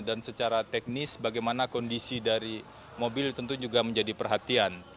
dan secara teknis bagaimana kondisi dari mobil tentu juga menjadi perhatian